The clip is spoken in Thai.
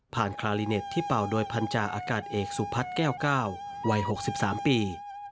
คลาลิเน็ตที่เป่าโดยพันธาอากาศเอกสุพัฒน์แก้ว๙วัย๖๓ปี